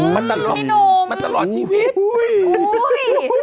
มันตลอดชีวิต